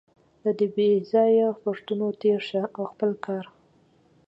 له دې بېځایه پوښتنو تېر شئ او خپل کار.